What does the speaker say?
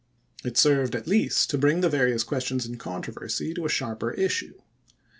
It served at least to bring the various questions in controversy to a sharper issue.